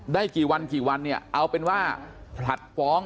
ได้กี่วันกี่วันเนี่ยเอาเป็นว่าผลัดฟ้อง